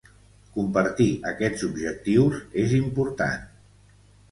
Compartir aquests objectius és important.